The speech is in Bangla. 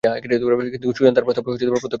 কিন্তু সুজান তার প্রস্তাব প্রত্যাখ্যান করে।